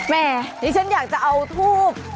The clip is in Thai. แม่ดิฉันอยากจะเอาทูบ